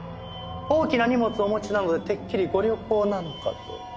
大きな荷物をお持ちなのでてっきりご旅行なのかと。